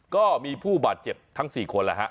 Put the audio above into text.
ก็มีผู้บาดเจ็บทั้ง๔คนนะครับ